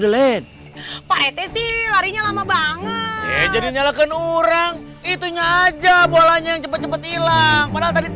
larinya lama banget jadi nyalakan orang itunya aja bolanya cepet cepet hilang